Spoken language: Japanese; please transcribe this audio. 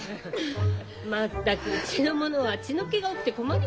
全くうちの者は血の気が多くて困りますよ。